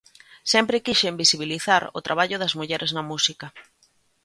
Sempre quixen visibilizar o traballo das mulleres na música.